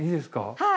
はい。